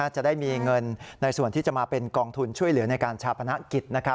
จะได้มีเงินในส่วนที่จะมาเป็นกองทุนช่วยเหลือในการชาปนกิจ